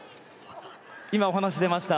今、お話が出ました